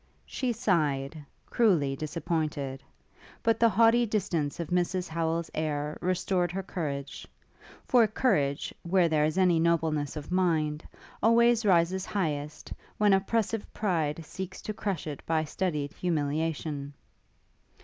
She sighed, cruelly disappointed; but the haughty distance of Mrs Howel's air restored her courage; for courage, where there is any nobleness of mind, always rises highest, when oppressive pride seeks to crush it by studied humiliation.